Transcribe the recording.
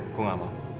aku gak mau